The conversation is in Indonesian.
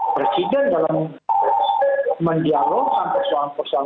presiden dalam mendialog sampai soal soal